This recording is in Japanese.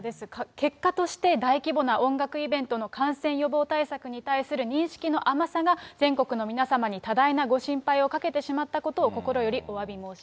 結果として大規模な音楽イベントの感染予防対策に対する認識の甘さが、全国の皆様に多大なご心配をかけてしまったことを心よりおわび申